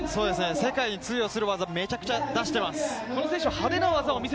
世界に通用する技、めちゃくちゃ出してます。